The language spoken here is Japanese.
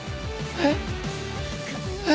えっ？